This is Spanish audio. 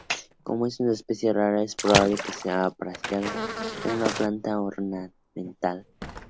Como es una especie rara, es probable que sea apreciada como planta ornamental.